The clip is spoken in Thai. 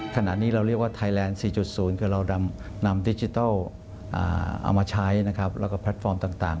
ขณะนี้เราเรียกว่าไทยแลนด์๔๐คือเรานำดิจิทัลเอามาใช้นะครับแล้วก็แพลตฟอร์มต่าง